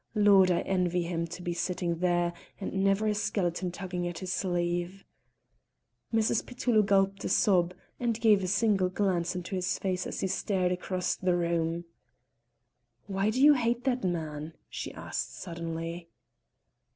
Lord! I envy him to be sitting there, and never a skeleton tugging at his sleeve." Mrs. Petullo gulped a sob, and gave a single glance into his face as he stared across the room. "Why do you hate that man?" she asked, suddenly.